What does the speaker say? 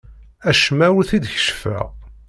Acemma ur t-id-keccfeɣ.